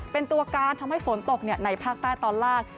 เป็นตัวการทำให้ฝนตกในภาคใต้ตอนล่าง